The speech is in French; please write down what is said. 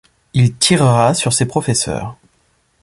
Il tirera sur ses professeurs.